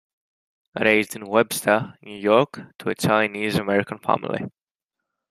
Raised in Webster, New York, to a Chinese-American family.